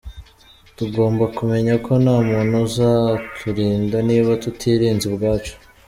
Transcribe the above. Tugomba kumenya ko nta muntu uzaturinda niba tutirinze ubwacu.